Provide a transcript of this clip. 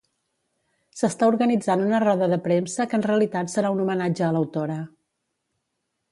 S'està organitzant una roda de premsa que en realitat serà un homenatge a l'autora.